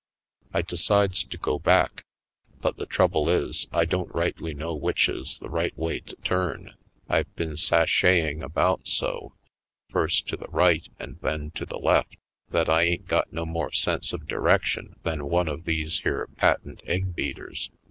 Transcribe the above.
I decides to go back, but the trouble is I don't rightly know which is the right way to turn. I've been sashaying about so, first to the right and then to the left, that I ain't got no more sense of direction than one of these here patent egg beaters.